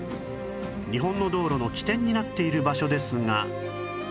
日本の道路の起点になっている場所ですが